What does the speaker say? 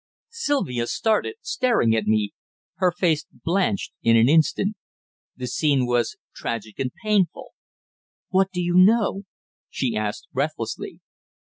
Sylvia started, staring at me, her face blanched in an instant. The scene was tragic and painful. "What do you know?" she asked breathlessly.